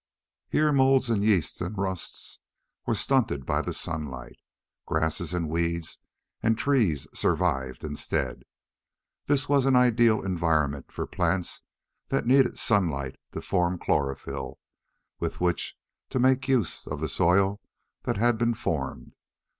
Here moulds and yeasts and rusts were stunted by the sunlight. Grasses and weeds and trees survived, instead. This was an ideal environment for plants that needed sunlight to form chlorophyl, with which to make use of the soil that had been formed.